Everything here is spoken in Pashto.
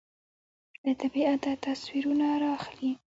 له طبیعته تصویرونه رااخلي